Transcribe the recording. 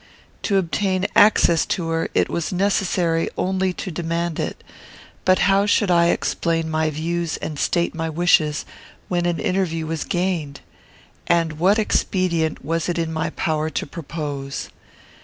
To obtain access to her, it was necessary only to demand it. But how should I explain my views and state my wishes when an interview was gained? And what expedient was it in my power to propose?